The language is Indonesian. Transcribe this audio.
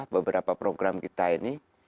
beberapa program kita ini